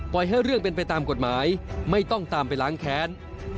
ให้เรื่องเป็นไปตามกฎหมายไม่ต้องตามไปล้างแค้น